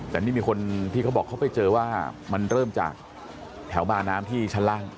แต่นี่มีคนที่เขาบอกเขาไปเจอว่ามันเริ่มจากแถวบาน้ำที่ชั้นล่าง